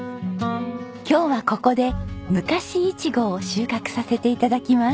今日はここで昔いちごを収穫させて頂きます。